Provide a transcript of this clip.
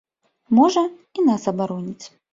Можа, і нас абароніць.